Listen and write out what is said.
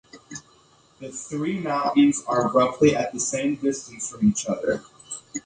The three mountains are roughly at the same distance from each other.